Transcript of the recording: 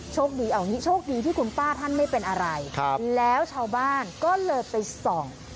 โชคดีที่คุณป้าท่านไม่เป็นอะไรแล้วชาวบ้านก็เลยไปส่อง